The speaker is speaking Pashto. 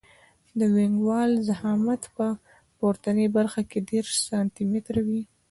د وینګ وال ضخامت په پورتنۍ برخه کې دېرش سانتي متره وي